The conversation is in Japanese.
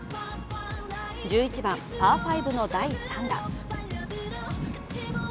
１１番、パー５の第３打。